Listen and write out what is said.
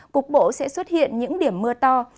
cục bộ sẽ xuất hiện những điểm mưa to